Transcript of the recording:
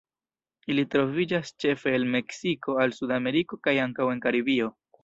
Ili troviĝas ĉefe el Meksiko al Sudameriko kaj ankaŭ en Karibio.